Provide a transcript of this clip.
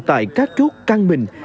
tại các chốt căng mình